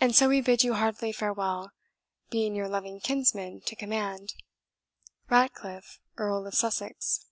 And so we bid you heartily farewell, being your loving kinsman to command, "RATCLIFFE, EARL OF SUSSEX."